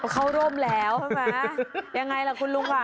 เขาร่มแล้วใช่ไหมยังไงล่ะคุณลุงอ่ะ